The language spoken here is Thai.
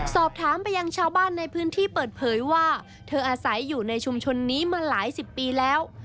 สอบถามไปยังชาวบ้านในพื้นที่เปิดเผยว่าเธออาศัยอยู่ในชุมชนนี้มาหลายสิบปีแล้ว